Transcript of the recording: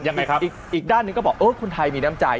ยังไงครับอีกด้านหนึ่งก็บอกเออคนไทยมีน้ำใจ